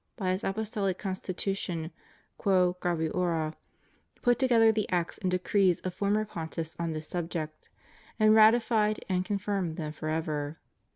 by his Apostolic Constitution, "Qwo graviora," put together the acts and decrees of former Pontiffs on this subject, and ratified and con firmed them forever.